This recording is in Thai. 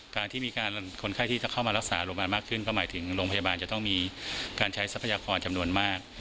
การที่มีคนไข้ที่จะเข้ามารักษาโรงพยาบาลมากขึ้นก็หมายถึงโรงพยาบาลจะต้องมีการใช้ทรัพยากรจำนวนมาก